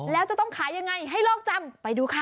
แล้วจะต้องขายยังไงให้โลกจำไปดูค่ะ